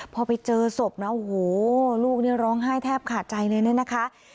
พอไปเจอศพนะโอ้โหลูกนี่ร้องไห้แทบขาดใจเลยเนี่ยนะคะ